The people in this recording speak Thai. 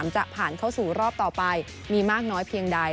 จะผ่านเข้าสู่รอบต่อไปมีมากน้อยเพียงใด